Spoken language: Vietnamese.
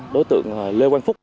đối tượng lê quang phúc